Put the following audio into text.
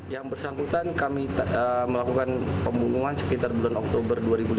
yang bersangkutan kami melakukan pembunuhan sekitar bulan oktober dua ribu lima belas